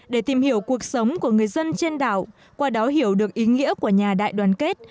để tìm hiểu cuộc sống của người dân trên đảo qua đó hiểu được ý nghĩa của nhà đại đoàn kết